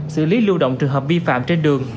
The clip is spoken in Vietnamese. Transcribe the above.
xử lý lưu động trường hợp vi phạm trên đường